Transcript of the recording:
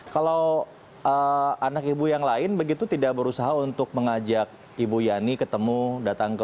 kalau anak ibu yang lain begitu tidak berusaha untuk mengajak ibu yani ketemu datang ke